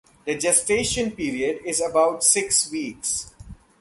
The gestation period is about six weeks.